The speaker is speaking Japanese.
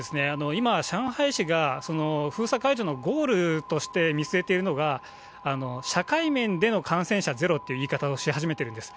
今、上海市が封鎖解除のゴールとして見据えているのが、社会面での感染者ゼロっていう言い方をし始めてるんです。